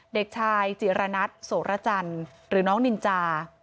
เด็กชายจิระนัทโสระจันทร์หรือน้องนินจา